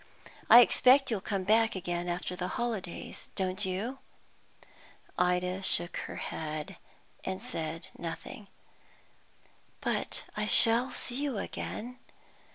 I expect you'll come back again after the holidays, don't you?" Ida shook her head, and said nothing. "But I shall see you again?"